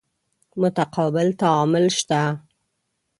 متقابل تعامل شته.